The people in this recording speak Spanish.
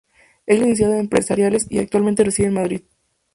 Es licenciada en Empresariales y actualmente reside en Madrid.